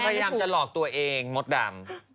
พยายามจะหลอกตัวเองมดดำ